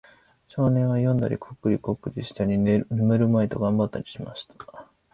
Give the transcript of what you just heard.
少年は読んだり、コックリコックリしたり、眠るまいと頑張ったりしました。